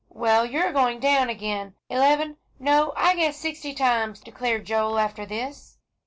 "Well, you are going down again, eleven, no, I guess sixty times," declared Joel, "after this.